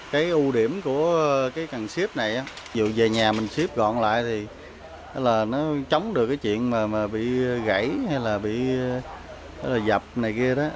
cái ưu điểm của cái cần xếp này dù về nhà mình xếp gọn lại thì nó chống được cái chuyện mà bị gãy hay là bị dập này kia đó